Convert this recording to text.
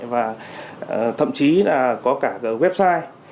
và thậm chí là có cả cái website